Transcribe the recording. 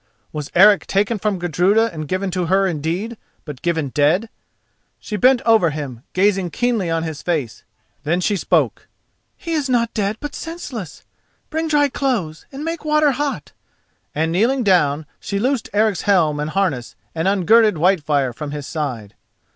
Was Eric taken from Gudruda and given to her indeed—but given dead? She bent over him, gazing keenly on his face. Then she spoke. "He is not dead but senseless. Bring dry clothes, and make water hot," and, kneeling down, she loosed Eric's helm and harness and ungirded Whitefire from his side.